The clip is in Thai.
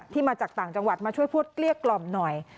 มาจากต่างจังหวัดมาช่วยพูดเกลี้ยกล่อมหน่อย